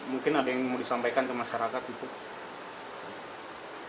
mungkin ada yang mau disampaikan ke masyarakat untuk